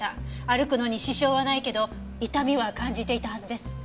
歩くのに支障はないけど痛みは感じていたはずです。